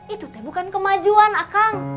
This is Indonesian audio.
itu teh bukan kemajuan akang